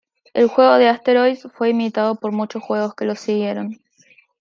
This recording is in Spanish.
El juego de asteroids fue imitado por muchos juegos que lo siguieron.